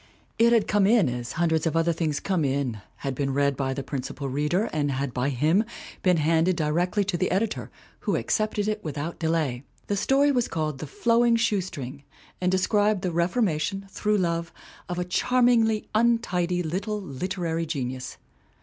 It had come in as hundreds of other things come in, had been read by the principal reader and had by him been handed directly to the editor, who accepted it with out delay. The story was called The Flowing Shoe String and described the reformation, through love, of a charmingly untidy little literary genius.